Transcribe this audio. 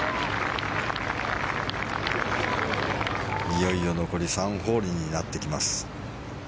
いよいよ残り３ホールになってきます。